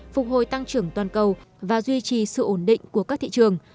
phục hồi tăng trưởng toàn cầu và duy trì sự ổn định của các thị trường